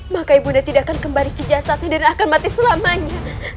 maka ibunda tidak akan kembali ke jasadnya dan akan mati selamanya